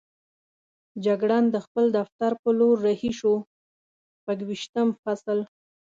جګړن د خپل دفتر په لور رهي شو، شپږویشتم فصل.